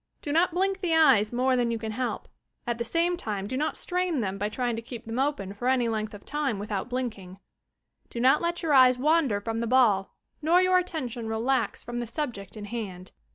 Do not blink the eyes more than you can help ; at the same time do not strain them by trying to keep them open for any length of time without blinking. Do not let your eyes wander from the ball nor your attention relax from the subject in hand.